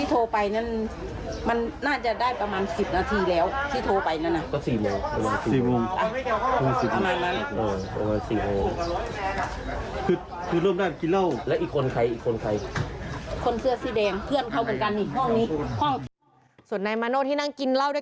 หลังให้หรือยังไง